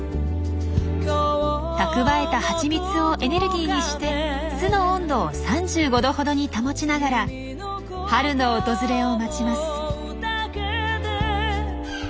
蓄えた蜂蜜をエネルギーにして巣の温度を３５℃ほどに保ちながら春の訪れを待ちます。